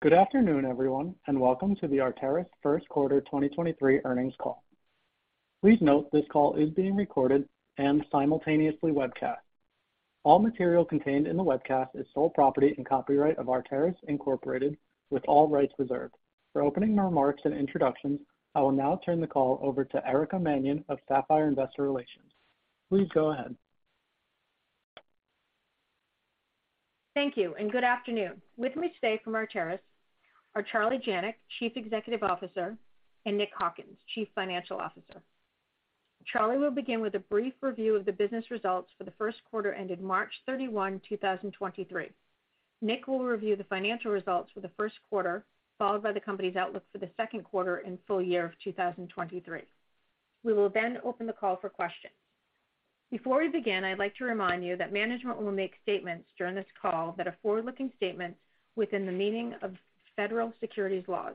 Good afternoon, everyone, and welcome to the Arteris first quarter 2023 earnings call. Please note this call is being recorded and simultaneously webcast. All material contained in the webcast is sole property and copyright of Arteris Incorporated, with all rights reserved. For opening remarks and introductions, I will now turn the call over to Erica Mannion of Sapphire Investor Relations. Please go ahead. Thank you and good afternoon. With me today from Arteris are Charles Janac, Chief Executive Officer, and Nick Hawkins, Chief Financial Officer. Charlie will begin with a brief review of the business results for the first quarter ended March 31st, 2023. Nick will review the financial results for the first quarter, followed by the company's outlook for the second quarter and full year of 2023. We will then open the call for questions. Before we begin, I'd like to remind you that management will make statements during this call that are forward-looking statements within the meaning of federal securities laws.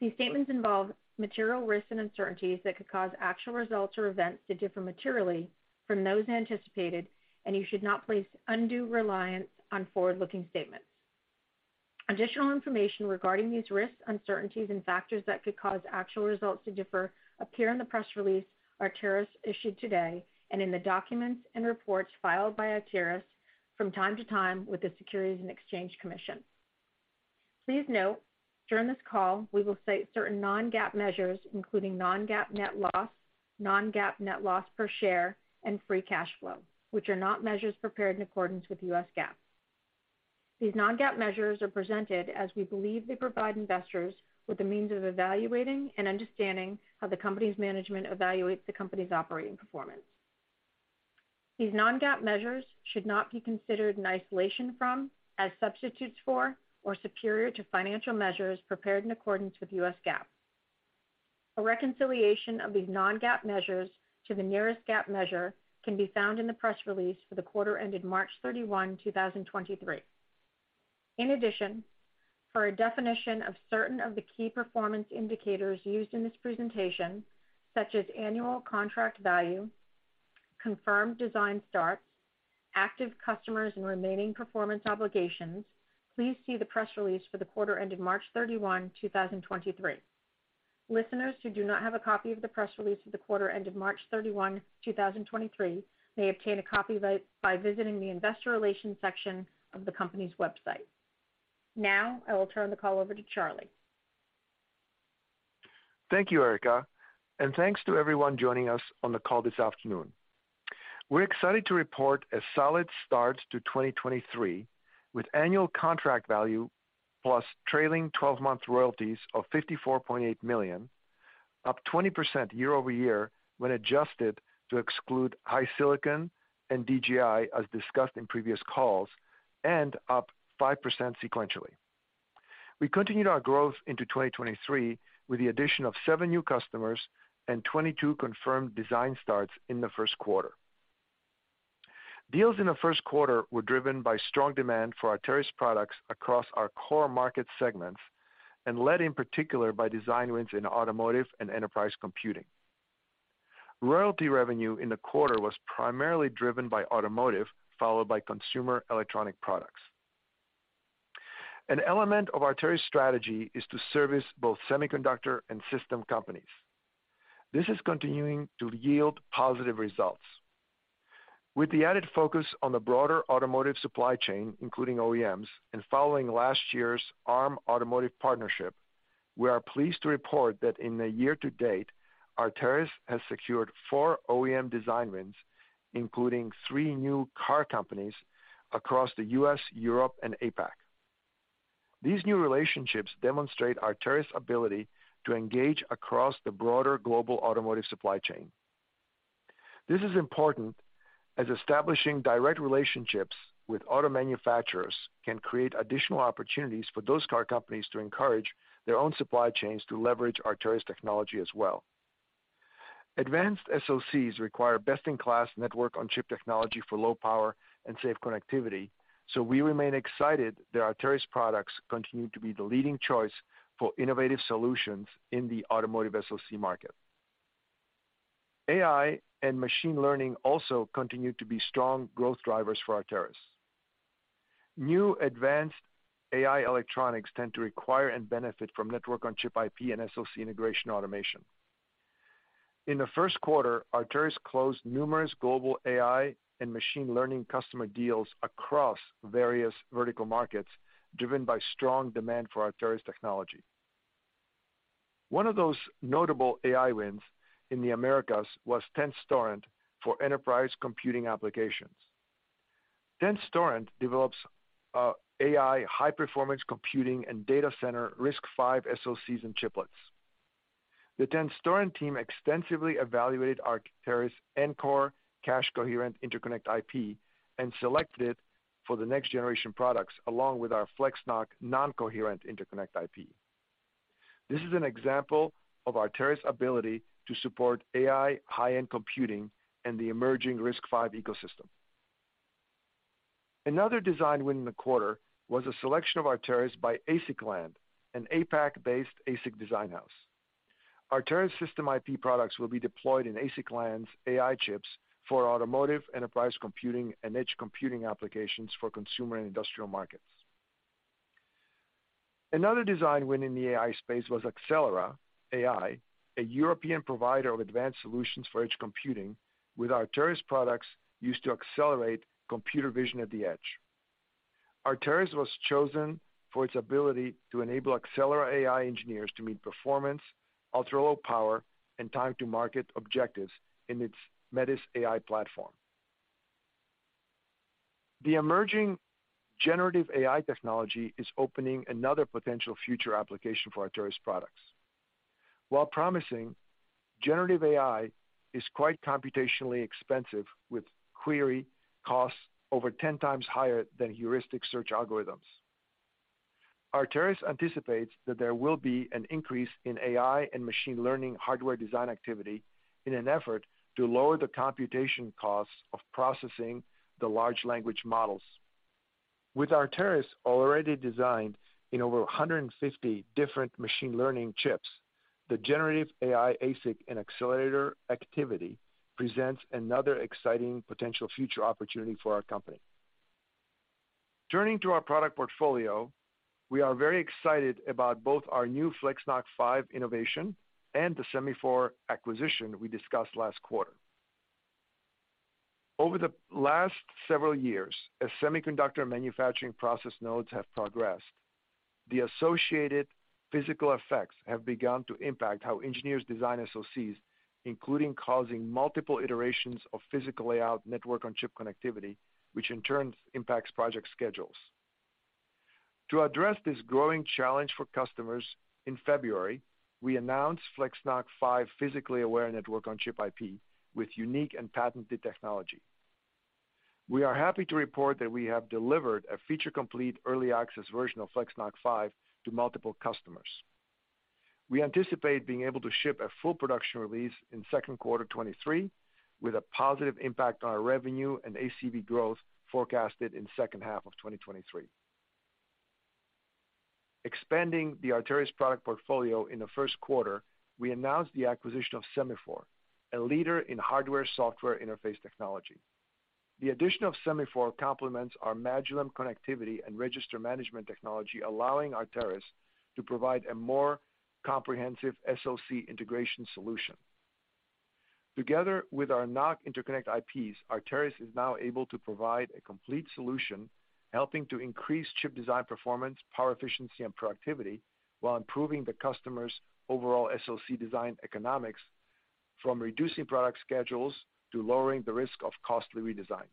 These statements involve material risks and uncertainties that could cause actual results or events to differ materially from those anticipated, and you should not place undue reliance on forward-looking statements. Additional information regarding these risks, uncertainties, and factors that could cause actual results to differ appear in the press release Arteris issued today, and in the documents and reports filed by Arteris from time to time with the Securities and Exchange Commission. Please note, during this call, we will state certain non-GAAP measures, including non-GAAP net loss, non-GAAP net loss per share, and free cash flow, which are not measures prepared in accordance with US GAAP. These non-GAAP measures are presented as we believe they provide investors with a means of evaluating and understanding how the company's management evaluates the company's operating performance. These non-GAAP measures should not be considered in isolation from, as substitutes for, or superior to financial measures prepared in accordance with US GAAP. A reconciliation of these non-GAAP measures to the nearest GAAP measure can be found in the press release for the quarter ended March 31st, 2023. In addition, for a definition of certain of the key performance indicators used in this presentation, such as annual contract value, confirmed design starts, active customers, and remaining performance obligations, please see the press release for the quarter ended March 31st, 2023. Listeners who do not have a copy of the press release for the quarter ended March 31st, 2023, may obtain a copy by visiting the investor relations section of the company's website. Now, I will turn the call over to Charlie. Thank you, Erica, thanks to everyone joining us on the call this afternoon. We're excited to report a solid start to 2023 with annual contract value plus trailing twelve-month royalties of $54.8 million, up 20% year-over-year when adjusted to exclude HiSilicon and DJI, as discussed in previous calls, and up 5% sequentially. We continued our growth into 2023 with the addition of seven new customers and 22 confirmed design starts in the first quarter. Deals in the first quarter were driven by strong demand for Arteris products across our core market segments and led in particular by design wins in automotive and enterprise computing. Royalty revenue in the quarter was primarily driven by automotive, followed by consumer electronic products. An element of Arteris strategy is to service both semiconductor and system companies. This is continuing to yield positive results. With the added focus on the broader automotive supply chain, including OEMs, and following last year's Arm automotive partnership, we are pleased to report that in the year to date, Arteris has secured four OEM design wins, including three new car companies across the U.S., Europe, and APAC. These new relationships demonstrate Arteris ability to engage across the broader global automotive supply chain. This is important as establishing direct relationships with auto manufacturers can create additional opportunities for those car companies to encourage their own supply chains to leverage Arteris technology as well. Advanced SoCs require best-in-class network on chip technology for low power and safe connectivity, so we remain excited that Arteris products continue to be the leading choice for innovative solutions in the automotive SoC market. AI and machine learning also continue to be strong growth drivers for Arteris. New advanced AI electronics tend to require and benefit from network-on-chip IP and SoC integration automation. In the first quarter, Arteris closed numerous global AI and machine learning customer deals across various vertical markets, driven by strong demand for Arteris technology. One of those notable AI wins in the Americas was Tenstorrent for enterprise computing applications. Tenstorrent develops AI high-performance computing and data center RISC-V SoCs and chiplets. The Tenstorrent team extensively evaluated Arteris Ncore cache-coherent interconnect IP and selected it for the next generation products, along with our FlexNoC non-coherent interconnect IP. This is an example of Arteris ability to support AI high-end computing and the emerging RISC-V ecosystem. Another design win in the quarter was a selection of Arteris by ASICLAND, an APAC-based ASIC design house. Our current system IP products will be deployed in ASICLAND's AI chips for automotive, enterprise computing, and edge computing applications for consumer and industrial markets. Another design win in the AI space was Axelera AI, a European provider of advanced solutions for edge computing, with Arteris products used to accelerate computer vision at the edge. Arteris was chosen for its ability to enable Axelera AI engineers to meet performance, ultra-low power, and time to market objectives in its Metis AI platform. The emerging generative AI technology is opening another potential future application for Arteris products. While promising, generative AI is quite computationally expensive, with query costs over 10 times higher than heuristic search algorithms. Arteris anticipates that there will be an increase in AI and machine learning hardware design activity in an effort to lower the computation costs of processing the large language models. With Arteris already designed in over 150 different machine learning chips, the generative AI ASIC and accelerator activity presents another exciting potential future opportunity for our company. Turning to our product portfolio, we are very excited about both our new FlexNoC 5 innovation and the Semifore acquisition we discussed last quarter. Over the last several years, as semiconductor manufacturing process nodes have progressed, the associated physical effects have begun to impact how engineers design SoCs, including causing multiple iterations of physical layout network on chip connectivity, which in turn impacts project schedules. To address this growing challenge for customers, in February, we announced FlexNoC 5 physically aware network on chip IP with unique and patented technology. We are happy to report that we have delivered a feature-complete early access version of FlexNoC 5 to multiple customers. We anticipate being able to ship a full production release in second quarter 2023, with a positive impact on our revenue and ACV growth forecasted in second half of 2023. Expanding the Arteris product portfolio in the first quarter, we announced the acquisition of Semifore, a leader in hardware software interface technology. The addition of Semifore complements our Magillem connectivity and register management technology, allowing Arteris to provide a more comprehensive SoC integration solution. Together with our NoC interconnect IPs, Arteris is now able to provide a complete solution, helping to increase chip design performance, power efficiency and productivity while improving the customer's overall SoC design economics from reducing product schedules to lowering the risk of costly redesigns.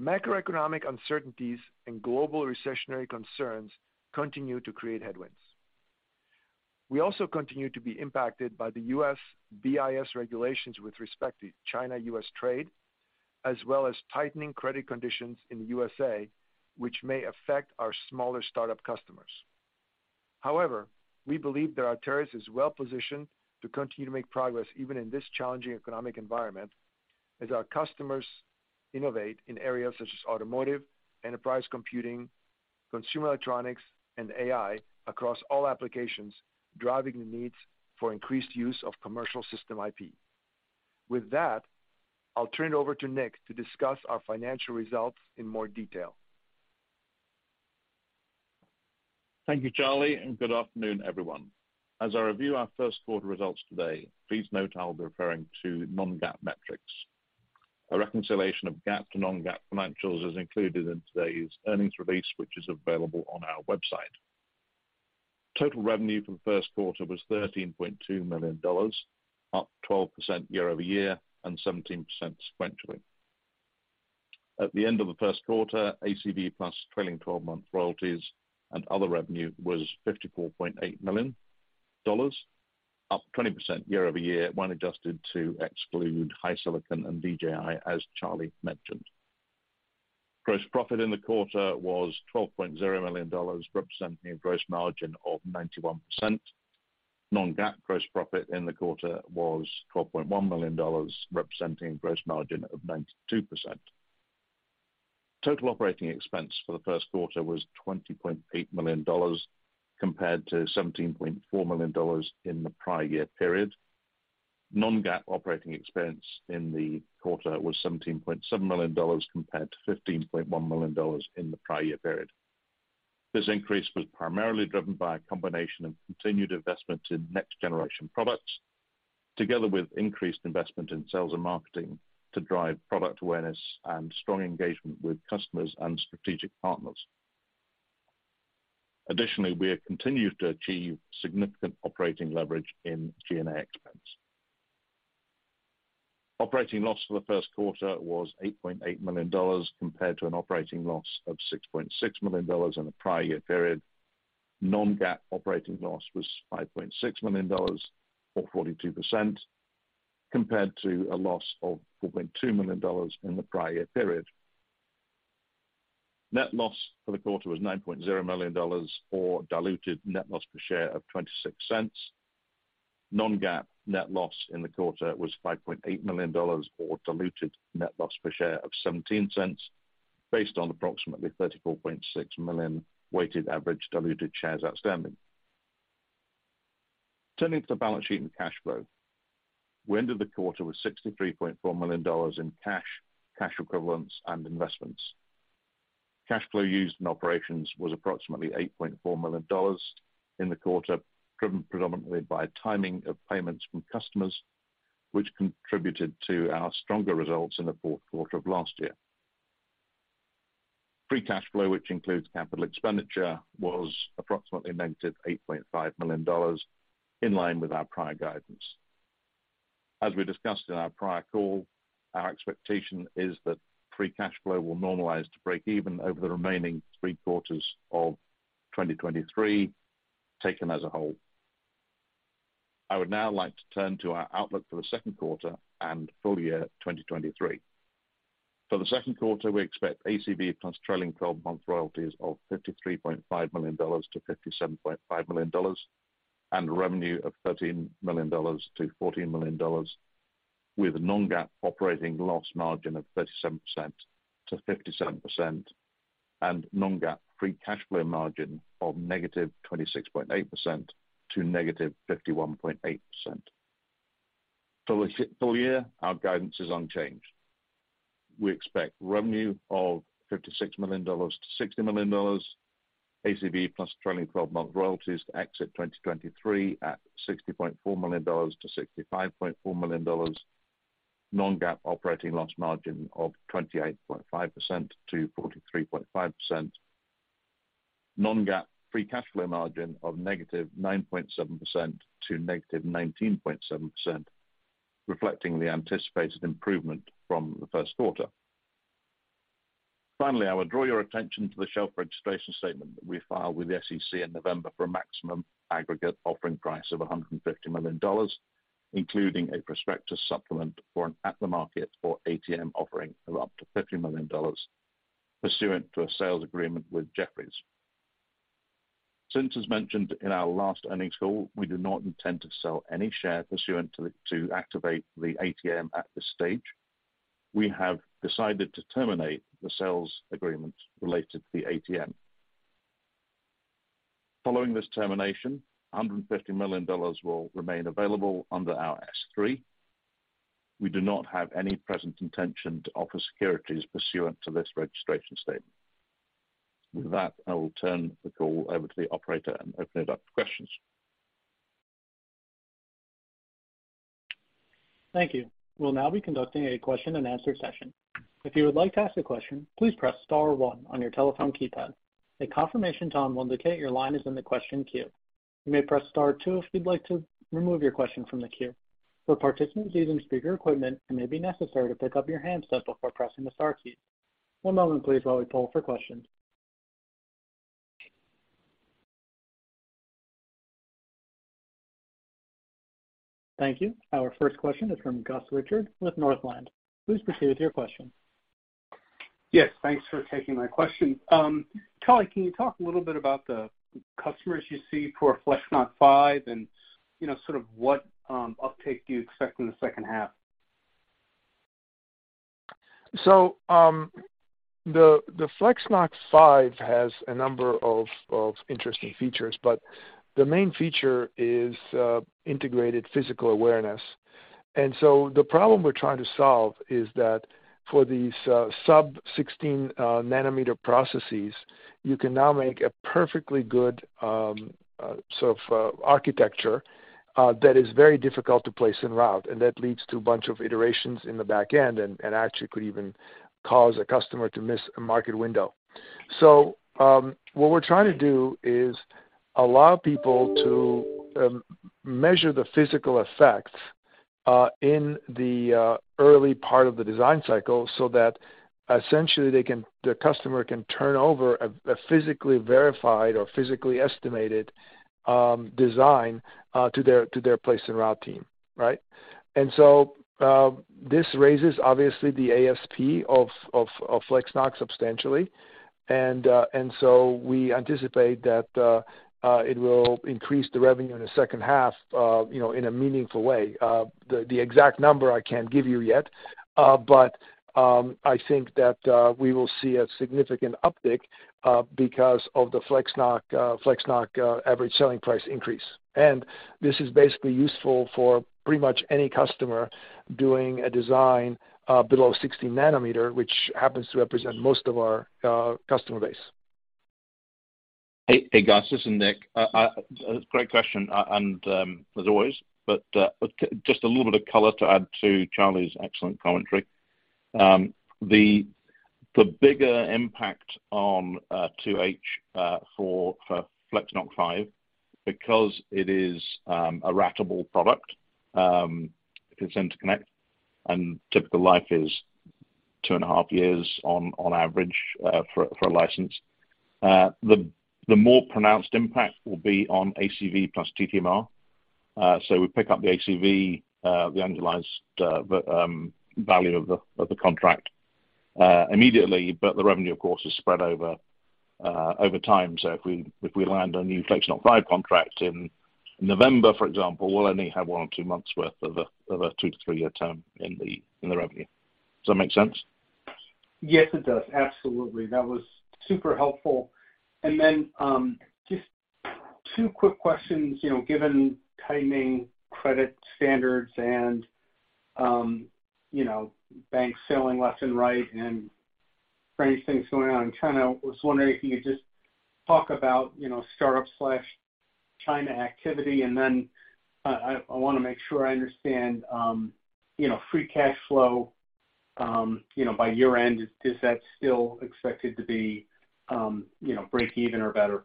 Macroeconomic uncertainties and global recessionary concerns continue to create headwinds. We also continue to be impacted by the US BIS regulations with respect to China-US trade, as well as tightening credit conditions in the USA, which may affect our smaller startup customers. However, we believe that Arteris is well positioned to continue to make progress even in this challenging economic environment, as our customers innovate in areas such as automotive, enterprise computing, consumer electronics, and AI across all applications, driving the needs for increased use of commercial system IP. With that, I'll turn it over to Nick to discuss our financial results in more detail. Thank you, Charlie, good afternoon, everyone. As I review our first quarter results today, please note I'll be referring to non-GAAP metrics. A reconciliation of GAAP to non-GAAP financials is included in today's earnings release, which is available on our website. Total revenue for the first quarter was $13.2 million, up 12% year-over-year and 17% sequentially. At the end of the first quarter, ACV plus trailing 12-month royalties and other revenue was $54.8 million, up 20% year-over-year when adjusted to exclude HiSilicon and DJI as Charlie mentioned. Gross profit in the quarter was $12.0 million, representing a gross margin of 91%. Non-GAAP gross profit in the quarter was $12.1 million, representing gross margin of 92%. Total operating expense for the first quarter was $20.8 million compared to $17.4 million in the prior year period. Non-GAAP operating expense in the quarter was $17.7 million compared to $15.1 million in the prior year period. This increase was primarily driven by a combination of continued investment in next generation products, together with increased investment in sales and marketing to drive product awareness and strong engagement with customers and strategic partners. Additionally, we have continued to achieve significant operating leverage in G&A expense. Operating loss for the first quarter was $8.8 million, compared to an operating loss of $6.6 million in the prior year period. Non-GAAP operating loss was $5.6 million, or 42%, compared to a loss of $4.2 million in the prior year period. Net loss for the quarter was $9.0 million, or diluted net loss per share of $0.26. Non-GAAP net loss in the quarter was $5.8 million or diluted net loss per share of $0.17, based on approximately 34.6 million weighted average diluted shares outstanding. Turning to the balance sheet and cash flow. We ended the quarter with $63.4 million in cash equivalents and investments. Cash flow used in operations was approximately $8.4 million in the quarter, driven predominantly by timing of payments from customers, which contributed to our stronger results in the fourth quarter of last year. Free cash flow, which includes capital expenditure, was approximately -$8.5 million, in line with our prior guidance. As we discussed in our prior call, our expectation is that free cash flow will normalize to break even over the remaining three quarters of 2023, taken as a whole. I would now like to turn to our outlook for the second quarter and full year 2023. For the second quarter, we expect ACV plus trailing twelve-month royalties of $53.5 million-$57.5 million and revenue of $13 million-$14 million with non-GAAP operating loss margin of 37%-57% and non-GAAP free cash flow margin of -26.8% to -51.8%. For the full year, our guidance is unchanged. We expect revenue of $56 million-$60 million, ACV plus trailing twelve-month royalties to exit 2023 at $60.4 million-$65.4 million, non-GAAP operating loss margin of 28.5%-43.5%, non-GAAP free cash flow margin of -9.7% to -19.7%, reflecting the anticipated improvement from the first quarter. Finally, I would draw your attention to the shelf registration statement that we filed with the SEC in November for a maximum aggregate offering price of $150 million, including a prospectus supplement for an at the market or ATM offering of up to $50 million pursuant to a sales agreement with Jefferies. As mentioned in our last earnings call, we do not intend to sell any shares pursuant to activate the ATM at this stage, we have decided to terminate the sales agreement related to the ATM. Following this termination, $150 million will remain available under our S-3. We do not have any present intention to offer securities pursuant to this registration statement. With that, I will turn the call over to the operator and open it up for questions. Thank you. We'll now be conducting a question and answer session. If you would like to ask a question, please press star one on your telephone keypad. A confirmation tone will indicate your line is in the question queue. You may press star two if you'd like to remove your question from the queue. For participants using speaker equipment, it may be necessary to pick up your handset before pressing the star key. One moment please while we poll for questions. Thank you. Our first question is from Gus Richard with Northland. Please proceed with your question. Yes, thanks for taking my question. Charlie, can you talk a little bit about the customers you see for FlexNoC 5 and, you know, sort of what uptake do you expect in the second half? The FlexNoC 5 has a number of interesting features, but the main feature is integrated physical awareness. The problem we're trying to solve is that for these sub 16 nm processes, you can now make a perfectly good architecture that is very difficult to place and route, and that leads to a bunch of iterations in the back end and actually could even cause a customer to miss a market window. What we're trying to do is allow people to measure the physical effects in the early part of the design cycle so that essentially the customer can turn over a physically verified or physically estimated design to their place and route team, right? This raises obviously the ASP of FlexNoC substantially. We anticipate that it will increase the revenue in the second half, you know, in a meaningful way. The exact number I can't give you yet, but I think that we will see a significant uptick because of the FlexNoC average selling price increase. This is basically useful for pretty much any customer doing a design below 16 nm, which happens to represent most of our customer base. Hey, hey, Gus. This is Nick. Great question and as always, but just a little bit of color to add to Charlie's excellent commentary. The bigger impact on 2H for FlexNoC 5, because it is a ratable product, it's interconnect and typical life is two and a half years on average for a license. The more pronounced impact will be on ACV plus TTMR. We pick up the ACV, the annualized value of the contract. Immediately, but the revenue, of course, is spread over time. If we land a new FlexNoC or Ncore contract in November, for example, we'll only have one or two months worth of a two- to three-year term in the revenue. Does that make sense? Yes, it does. Absolutely. That was super helpful. Then, just two quick questions. You know, given tightening credit standards and, you know, banks sailing left and right and crazy things going on in China, I was wondering if you could just talk about, you know, startup/China activity. Then I want to make sure I understand, you know, free cash flow, you know, by year-end, is that still expected to be, you know, break even or better?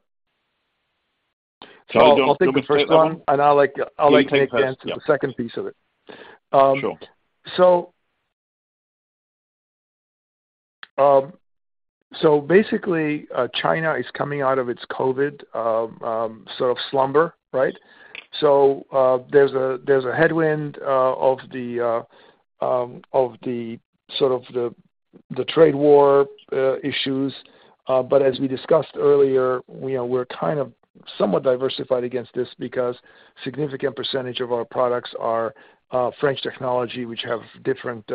I'll take the first one, and I'll let Nick answer the second piece of it. Sure. Basically, China is coming out of its COVID sort of slumber, right? There's a headwind of the sort of the trade war issues. As we discussed earlier, we're kind of somewhat diversified against this because significant percentage of our products are French technology, which have different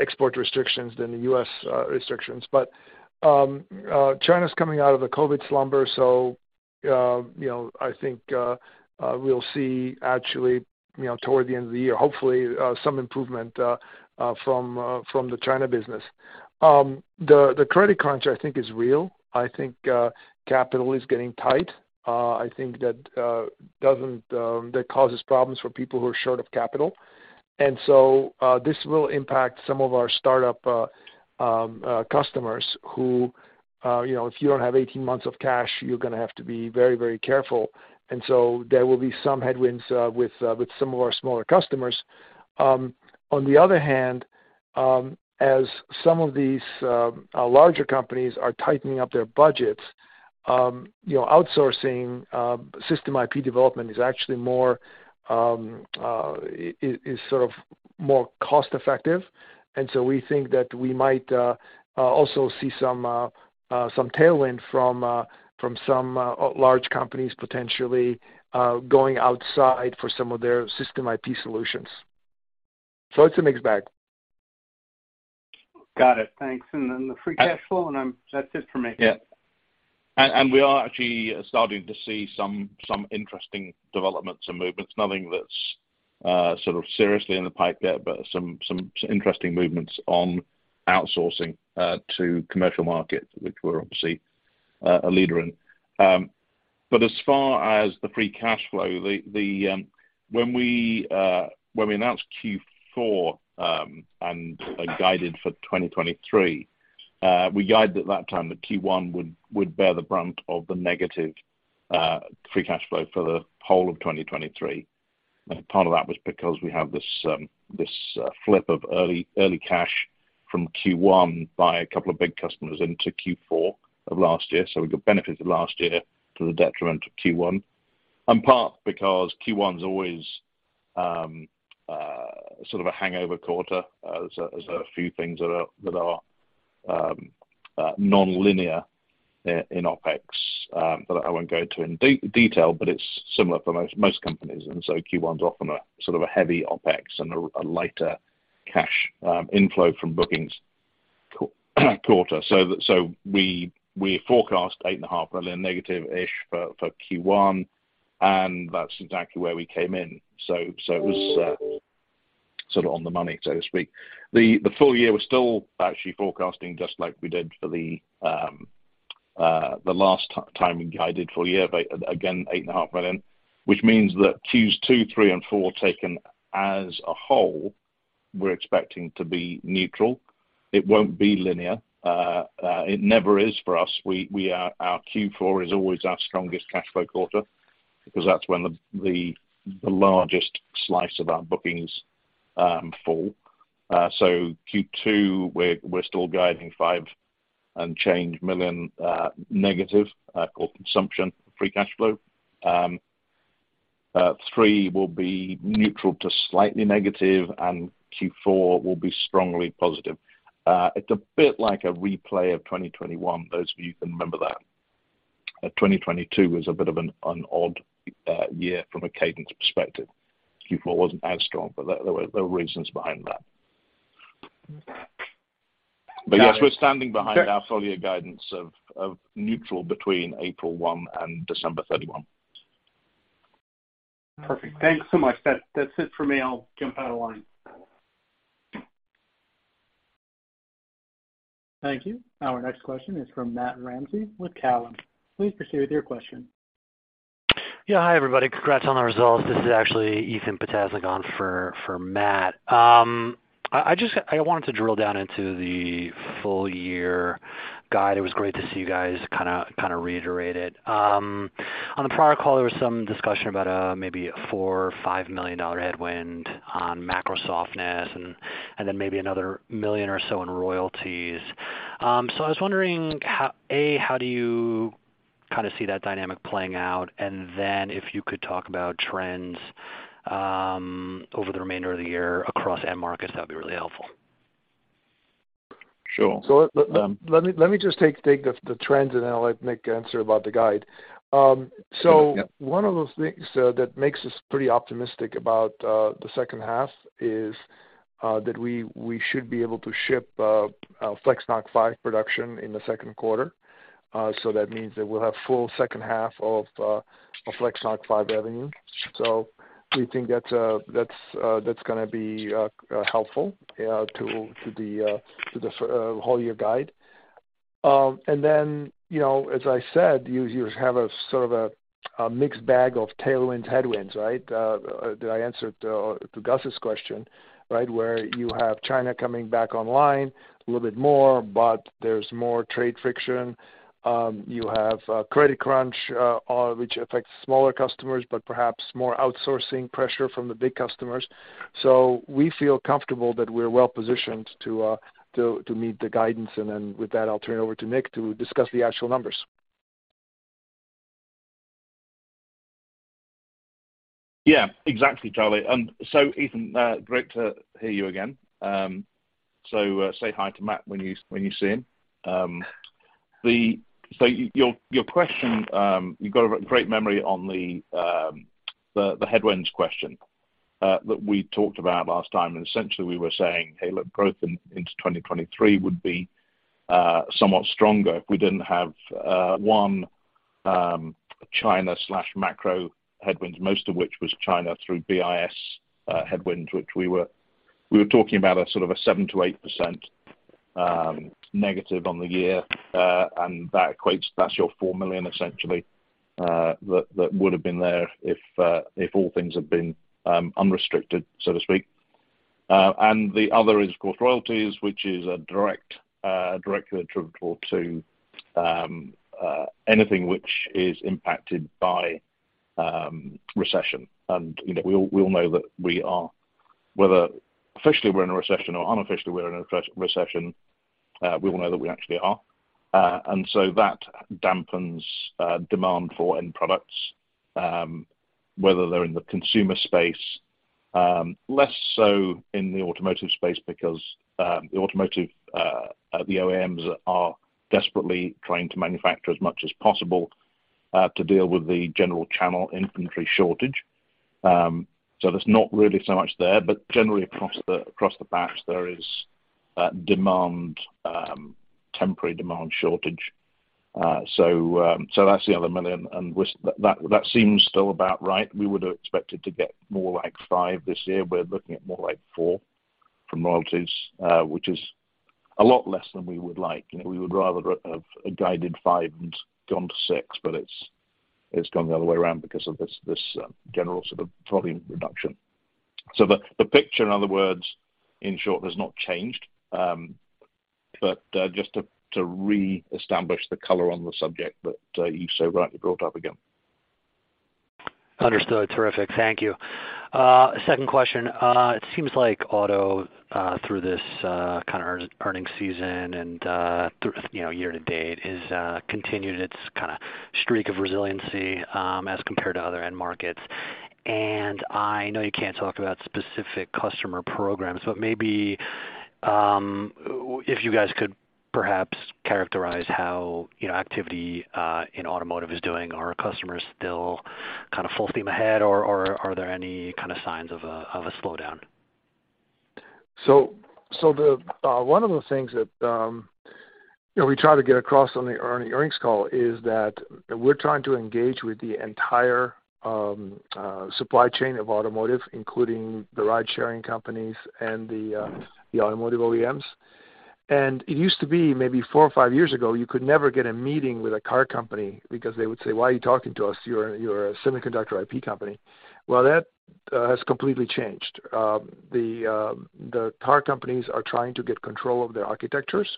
export restrictions than the US restrictions. China's coming out of the COVID slumber, so, you know, I think, we'll see actually, you know, toward the end of the year, hopefully, some improvement from the China business. The credit crunch, I think, is real. I think, capital is getting tight. I think that doesn't that causes problems for people who are short of capital. This will impact some of our startup customers who, you know, if you don't have 18 months of cash, you're gonna have to be very, very careful. There will be some headwinds with some of our smaller customers. On the other hand, as some of these larger companies are tightening up their budgets, you know, outsourcing system IP development is actually more is sort of more cost-effective. We think that we might also see some tailwind from some large companies potentially going outside for some of their system IP solutions. It's a mixed bag. Got it. Thanks. Then the free cash flow, that's it for me. Yeah. We are actually starting to see interesting developments and movements. Nothing that's sort of seriously in the pipe yet, but interesting movements on outsourcing to commercial markets, which we're obviously a leader in. But as far as the free cash flow, when we announced Q4 and guided for 2023, we guided at that time that Q1 would bear the brunt of the negative free cash flow for the whole of 2023. Part of that was because we have this flip of early cash from Q1 by a couple of big customers into Q4 of last year. We got benefited last year to the detriment of Q1. Part because Q1's always a sort of a hangover quarter. There's a few things that are nonlinear in OpEx that I won't go into detail, but it's similar for most companies. Q1's often a sort of a heavy OpEx and a lighter cash inflow from bookings quarter. We forecast $8.5 million negative-ish for Q1, and that's exactly where we came in. It was sort of on the money, so to speak. The full year, we're still actually forecasting just like we did for the last time we guided full year, but again, $8.5 million. Which means that Q2, Q3, and Q4 taken as a whole, we're expecting to be neutral. It won't be linear. It never is for us. Our Q4 is always our strongest cash flow quarter because that's when the largest slice of our bookings fall. Q2, we're still guiding $5 million and change negative consumption free cash flow. Q3 will be neutral to slightly negative, and Q4 will be strongly positive. It's a bit like a replay of 2021, those of you who can remember that. 2022 was a bit of an odd year from a cadence perspective. Q4 wasn't as strong, there were reasons behind that. Yes, we're standing behind our full year guidance of neutral between April 1st and December 31st. Perfect. Thanks so much. That's it for me. I'll jump out of line. Thank you. Our next question is from Matt Ramsay with Cowen. Please proceed with your question. Yeah. Hi, everybody. Congrats on the results. This is actually Ethan Potasnick on for Matt. I wanted to drill down into the full year guide. It was great to see you guys kinda reiterate it. On the prior call, there was some discussion about maybe a $4 million-$5 million headwind on macro softness and then maybe another $1 million or so in royalties. I was wondering how do you kind of see that dynamic playing out? If you could talk about trends over the remainder of the year across end markets, that'd be really helpful. Sure. Let me just take the trends, and then I'll let Nick answer about the guide. Yeah. One of the things that makes us pretty optimistic about the second half is that we should be able to ship FlexNoC 5 production in the second quarter. That means that we'll have full second half of FlexNoC 5 revenue. We think that's that's that's gonna be helpful to the whole year guide. You know, as I said, you have a sort of a mixed bag of tailwinds, headwinds, right? That I answered to Gus's question, right? Where you have China coming back online a little bit more, but there's more trade friction. You have a credit crunch which affects smaller customers, but perhaps more outsourcing pressure from the big customers. We feel comfortable that we're well positioned to meet the guidance. With that, I'll turn it over to Nick to discuss the actual numbers. Yeah, exactly, Charlie. Ethan, great to hear you again. Say hi to Matt when you, when you see him. Your question, you've got a great memory on the headwinds question that we talked about last time. Essentially we were saying, "Hey, look, growth into 2023 would be somewhat stronger if we didn't have one, China/macro headwinds, most of which was China through BIS headwinds, which we were talking about a sort of a 7%-8% negative on the year. That equates, that's your $4 million essentially, that would have been there if all things had been unrestricted, so to speak. The other is of course royalties, which is directly attributable to anything which is impacted by recession. You know, we all know that we are, whether officially we're in a recession or unofficially we're in a recession, we all know that we actually are. That dampens demand for end products, whether they're in the consumer space, less so in the automotive space because the automotive OEMs are desperately trying to manufacture as much as possible to deal with the general channel inventory shortage. There's not really so much there, but generally across the, across the batch, there is demand, temporary demand shortage. That's the other million, and that seems still about right. We would have expected to get more like five this year. We're looking at more like four from royalties, which is a lot less than we would like. You know, we would rather have guided five and gone to six, but it's gone the other way around because of this general sort of volume reduction. The picture, in other words, in short, has not changed. Just to reestablish the color on the subject that you've so rightly brought up again. Understood. Terrific. Thank you. Second question. It seems like auto through this kind of earnings season and through, you know, year to date is continued its kind of streak of resiliency as compared to other end markets. I know you can't talk about specific customer programs, but maybe if you guys could perhaps characterize how, you know, activity in automotive is doing. Are customers still kind of full steam ahead or are there any kind of signs of a slowdown? The one of the things that, you know, we try to get across on the earnings call is that we're trying to engage with the entire supply chain of automotive, including the ride-sharing companies and the automotive OEMs. It used to be maybe four or five years ago, you could never get a meeting with a car company because they would say, "Why are you talking to us? You're, you're a semiconductor IP company." That has completely changed. The car companies are trying to get control of their architectures.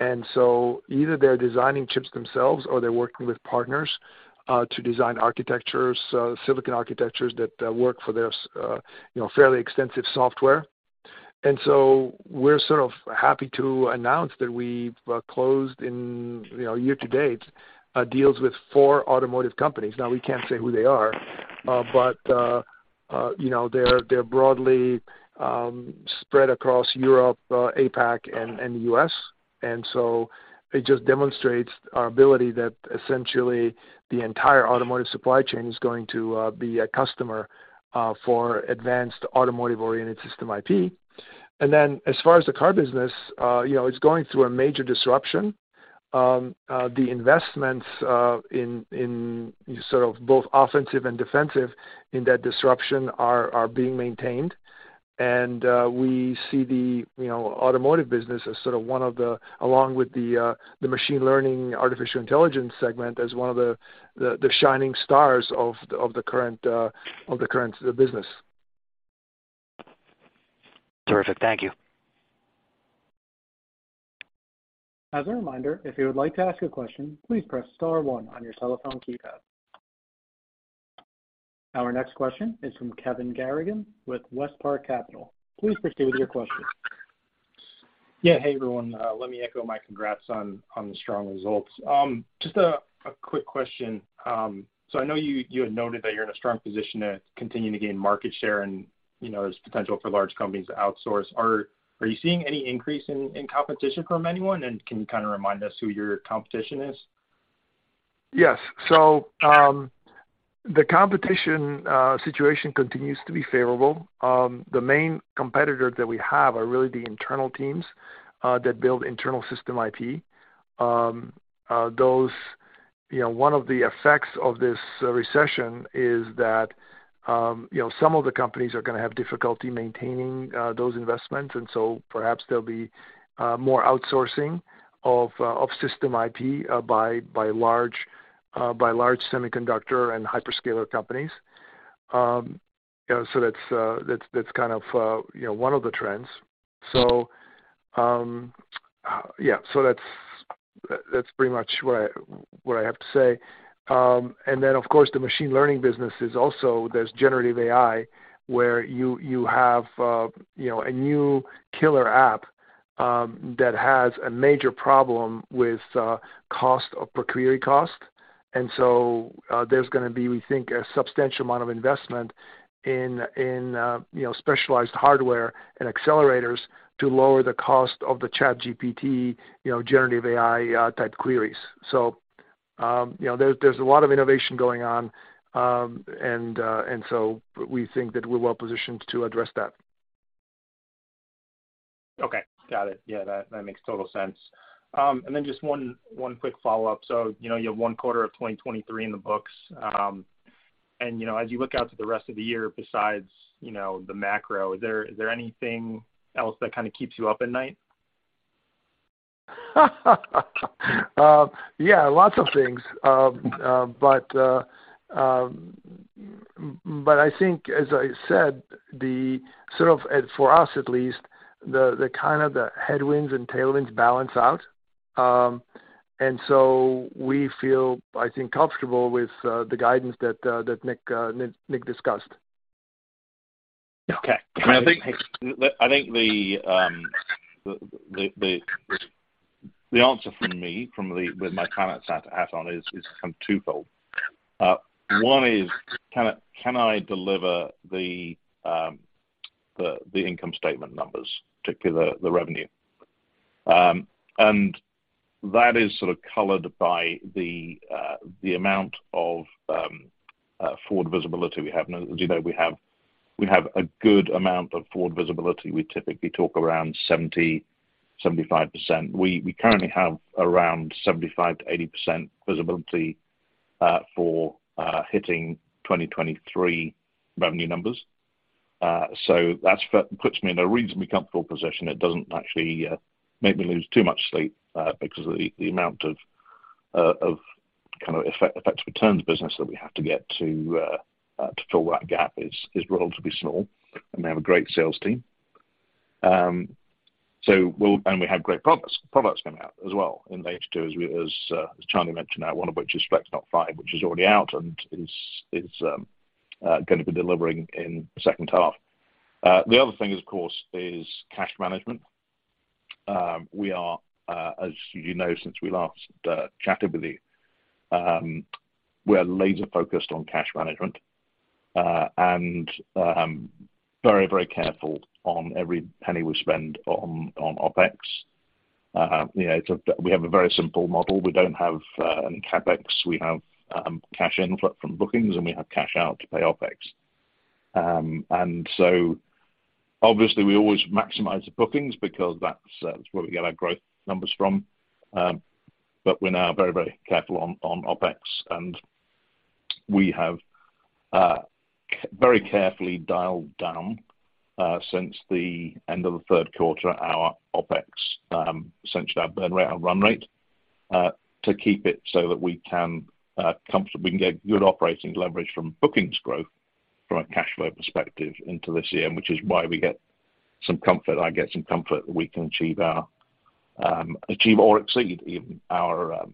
Either they're designing chips themselves or they're working with partners to design architectures, silicon architectures that work for their, you know, fairly extensive software. We're sort of happy to announce that we've, you know, year to date, deals with four automotive companies. Now, we can't say who they are, but, you know, they're broadly spread across Europe, APAC and U.S. It just demonstrates our ability that essentially the entire automotive supply chain is going to be a customer for advanced automotive-oriented system IP. As far as the car business, you know, it's going through a major disruption. The investments in sort of both offensive and defensive in that disruption are being maintained. We see the, you know, automotive business as sort of one of the-- along with the machine learning artificial intelligence segment as one of the shining stars of the current business. Terrific. Thank you. As a reminder, if you would like to ask a question, please press star one on your telephone keypad. Our next question is from Kevin Garrigan with WestPark Capital. Please proceed with your question. Hey, everyone. Let me echo my congrats on the strong results. Just a quick question. I know you had noted that you're in a strong position to continue to gain market share and, you know, there's potential for large companies to outsource. Are you seeing any increase in competition from anyone? Can you kinda remind us who your competition is? Yes. The competition situation continues to be favorable. The main competitor that we have are really the internal teams that build internal system IP. Those, you know, one of the effects of this recession is that, you know, some of the companies are gonna have difficulty maintaining those investments, and so perhaps there'll be more outsourcing of system IP by large semiconductor and hyperscaler companies. You know, that's kind of, you know, one of the trends. Yeah. That's, that's pretty much what I have to say. Of course, the machine learning business is also there's generative AI where you have, you know, a new killer app that has a major problem with cost of per query cost. There's gonna be, we think, a substantial amount of investment in, you know, specialized hardware and accelerators to lower the cost of the ChatGPT, you know, generative AI type queries. You know, there's a lot of innovation going on, we think that we're well-positioned to address that. Okay. Got it. Yeah, that makes total sense. Just one quick follow-up. You know, you have one quarter of 2023 in the books, and you know, as you look out to the rest of the year, besides, you know, the macro, is there anything else that kind of keeps you up at night? Yeah, lots of things. I think, as I said, the sort of and for us at least, the kind of the headwinds and tailwinds balance out. We feel, I think, comfortable with the guidance that Nick discussed. Okay. I think the answer from me, with my comments to add on is kind of twofold. One is, can I deliver the income statement numbers, particularly the revenue? That is sort of colored by the amount of forward visibility we have. As you know we have a good amount of forward visibility. We typically talk around 70%-75%. We currently have around 75%-80% visibility for hitting 2023 revenue numbers. That puts me in a reasonably comfortable position. It doesn't actually make me lose too much sleep because of the amount of kind of effects returns business that we have to get to to fill that gap is relatively small, and we have a great sales team. We have great products coming out as well in the H2 as Charlie mentioned, one of which is FlexNoC, which is already out and is gonna be delivering in the second half. The other thing is, of course, is cash management. We are, as you know, since we last chatted with you, we're laser-focused on cash management, and very, very careful on every penny we spend on OpEx. You know, it's a we have a very simple model. We don't have any CapEx. We have cash input from bookings, and we have cash out to pay OpEx. Obviously we always maximize the bookings because that's that's where we get our growth numbers from. We're now very, very careful on OpEx. We have very carefully dialed down since the end of the third quarter, our OpEx, essentially our burn rate and run rate, to keep it so that we can comfort we can get good operating leverage from bookings growth from a cash flow perspective into this year, which is why we get some comfort. I get some comfort that we can achieve our achieve or exceed even our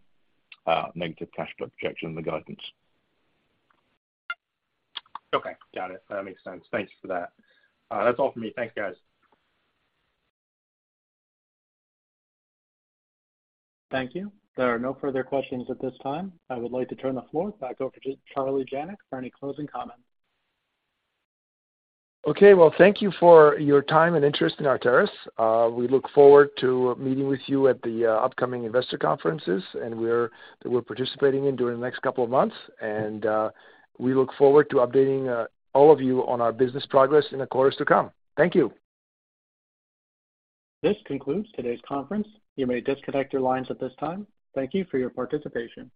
negative cash flow projection in the guidance. Okay. Got it. That makes sense. Thank you for that. That's all for me. Thanks, guys. Thank you. There are no further questions at this time. I would like to turn the floor back over to Charlie Janac for any closing comments. Okay. Well, thank you for your time and interest in Arteris. We look forward to meeting with you at the upcoming investor conferences that we're participating in during the next couple of months. We look forward to updating all of you on our business progress in the quarters to come. Thank you. This concludes today's conference. You may disconnect your lines at this time. Thank you for your participation.